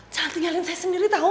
jangan nyalin saya sendiri tau